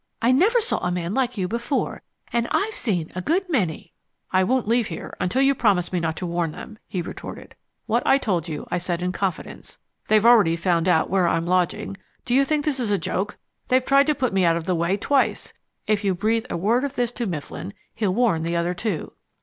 I never saw a man like you before and I've seen a good many." "I won't leave here until you promise me not to warn them," he retorted. "What I told you, I said in confidence. They've already found out where I'm lodging. Do you think this is a joke? They've tried to put me out of the way twice. If you breathe a word of this to Mifflin he'll warn the other two."